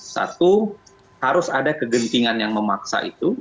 satu harus ada kegentingan yang memaksa itu